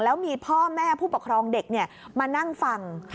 แล้วมีพ่อแม่ผู้ปกครองเด็กมานั่งฟัง